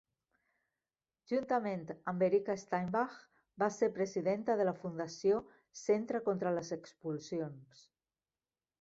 Juntament amb Erika Steinbach va ser presidenta de la fundació "Centre contra les expulsions".